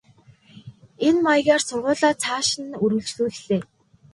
Энэ маягаар сургуулиа цааш нь үргэлжлүүллээ.